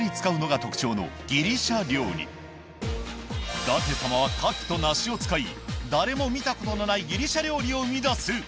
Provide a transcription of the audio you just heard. はい舘様は牡蠣と梨を使い誰も見たことのないギリシャ料理を生み出す！